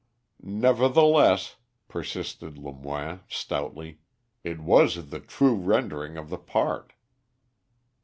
"Nevertheless," persisted Lemoine, stoutly, "it was the true rendering of the part."